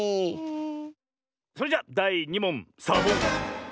それじゃだい２もんサボン！